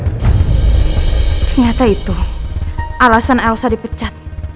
ternyata itu alasan elsa dipecat